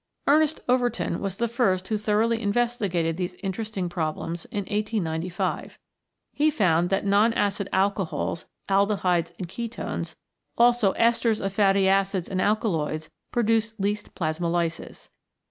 Ernest Overton was the first who thoroughly investigated these interesting problems in 1895. He found that mon acid alcohols, aldehydes, and ketones, also esters of fatty acids and alkaloids, produce least plasmolysis.